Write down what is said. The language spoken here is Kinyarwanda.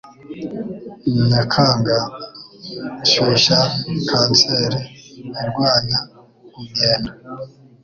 Nyakanga shyushya kanseri irwanya kugenda